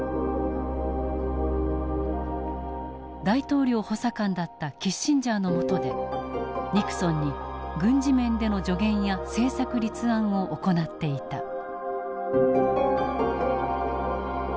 大統領補佐官だったキッシンジャーのもとでニクソンに軍事面での助言や政策立案を行っていた。